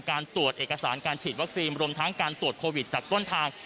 การตรวจเอกสารการฉีดวัคซีนรวมทั้งการตรวจโควิดจากต้นทาง